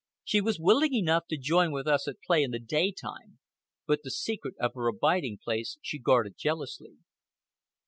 She was willing enough to join with us at play in the day time, but the secret of her abiding place she guarded jealously.